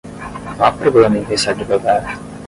Não há problema em pensar devagar